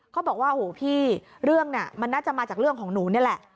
เขาบอกว่าโอ้โหพี่เรื่องน่ะมันน่าจะมาจากเรื่องของหนูนี่แหละ